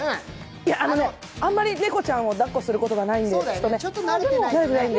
あんまり猫ちゃんをだっこすることがないんで慣れてないんで。